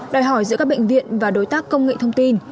đòi hỏi giữa các bệnh viện và đối tác công nghệ thông tin